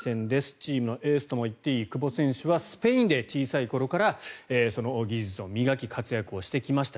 チームのエースといってもいい久保選手はスペインで小さい頃からその技術を磨き活躍をしてきました。